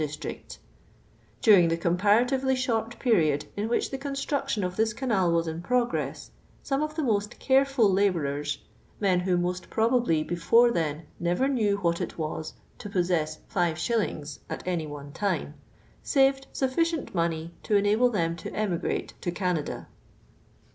itrict. Durin:; tlu: cnm parativcly short period in wliir.li the construfiion of tl'i'j cmril was in prf)i;re*s, 8o:ni» of thi' most careiiil lalourers men who mi):«t probably before then ne' er knew wliat it wa * to p isst ss hve shil lings at any on«r time — saved sntticient mon^'v to enable tliein to emii^nite to i.Janada.'